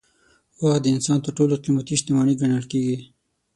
وخت د انسان تر ټولو قیمتي شتمني ګڼل کېږي.